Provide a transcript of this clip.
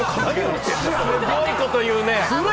ひどいこと言うね！